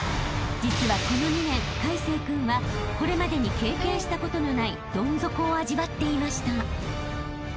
［実はこの２年魁成君はこれまでに経験したことのないどん底を味わっていました］